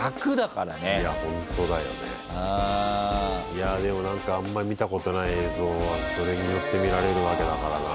いやでも何かあんまり見たことない映像がそれによって見られるわけだからな。